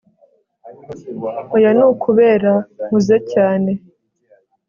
oya nukubera nkuze cyane